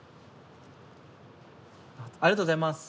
ありがとうございます。